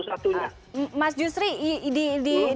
oke mas justri ini juga saya rasa dengan cara edukasi ya satu satunya